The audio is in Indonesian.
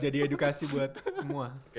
jadi edukasi buat semua